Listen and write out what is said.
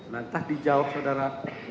lantah dijawab saudara